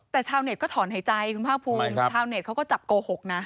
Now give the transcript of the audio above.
แต่ชาวเน็ตก็ถอนหายใจคุณภาคภูมิชาวเน็ตเขาก็จับโกหกนะ